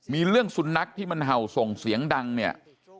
มีเรื่องสุนัขที่มันเห่าส่งเสียงดังเนี่ย